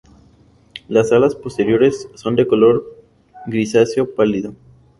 Las alas posteriores son de color grisáceo pálido.